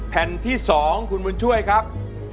แผ่นที่๒คุณบุญช่วยครับ